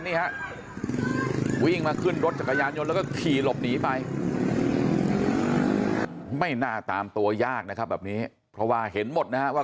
นี่ฮะวิ่งมาขึ้นรถจักรยานยนต์แล้วก็ขี่หลบหนีไปไม่น่าตามตัวยากนะครับแบบนี้เพราะว่าเห็นหมดนะฮะว่า